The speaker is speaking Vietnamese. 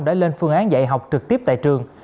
đã lên phương án dạy học trực tiếp tại trường